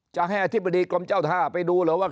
จะให้อธิบดีกรมเจ้าท่าไปดูเหรอว่า